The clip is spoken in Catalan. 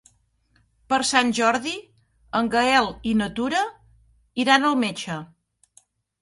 Per Sant Jordi en Gaël i na Tura iran al metge.